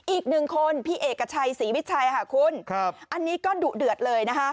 อีกหนึ่งคนพี่เอกชัยศรีวิชัยค่ะคุณอันนี้ก็ดุเดือดเลยนะคะ